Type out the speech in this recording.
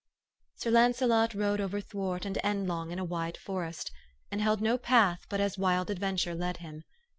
" Sir Launcelot rode overthwart and endlong in a wide forest, and held no path but as wild adventure led him.